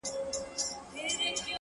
• پر سړي باندي باران سو د لوټونو ,